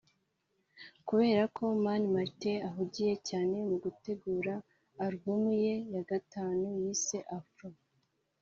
Kubera ko Mani Martin ahugiye cyane mu gutegura album ye ya gatanu yise’ Afro’